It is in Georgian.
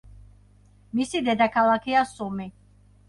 მისი დედაქალაქია სუმი.